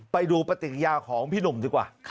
ไปดูปฏิกิริยาของพี่หนุ่มดีกว่า